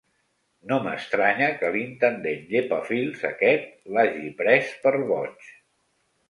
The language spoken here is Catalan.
No m'estranya que l'intendent llepafils aquest l'hagi pres per boig.